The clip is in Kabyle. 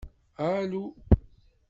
Alu!